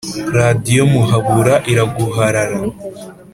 Radiyo Muhabura iraguharara